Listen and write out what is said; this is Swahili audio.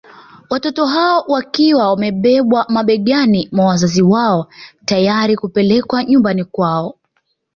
Watoto hao wakiwa wamebebwa mabegani mwa wazazi wao tayari kupelekwa nyumbani kwao